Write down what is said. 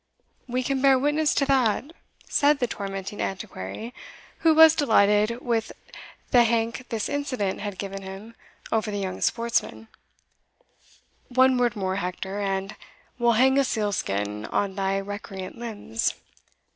"We can bear witness to that," said the tormenting Antiquary, who was delighted with the hank this incident had given him over the young sportsman: One word more, Hector, and We'll hang a seal skin on thy recreant limbs.